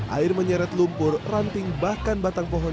air menyeret lumpur ranting bahkan batang pohon